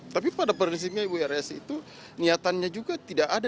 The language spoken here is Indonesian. tapi pada prinsipnya ibu rs itu niatannya juga tidak ada